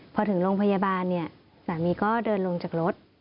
พอถึงโรงพยาบาลเนี่ยสามีก็เดินลงจากรถ